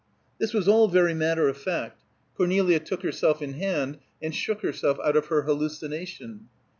This was all very matter of fact. Cornelia took herself in hand, and shook herself out of her hallucination.